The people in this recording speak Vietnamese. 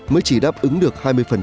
mới chỉ đáp ứng được hai mươi